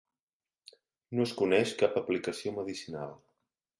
No es coneix cap aplicació medicinal.